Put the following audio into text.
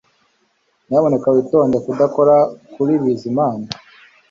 Nyamuneka witondere kudakora kuri Bizimana